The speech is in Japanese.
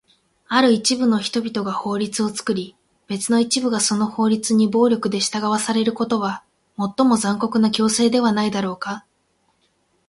ある一部の人々が法律を作り、別の一部がその法律に暴力で従わされることは、最も残酷な強制ではないだろうか？